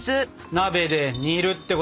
鍋で煮るってことですね？